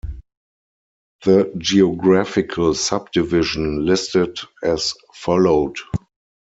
The geographical subdivision listed as followed.